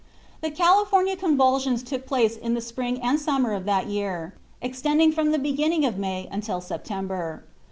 The California convulsions took place in the spring and summer of that year, extending from the beginning of May until September.